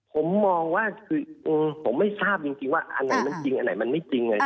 ผมมองว่าคือผมไม่ทราบจริงว่าอันไหนมันจริงอันไหนมันไม่จริง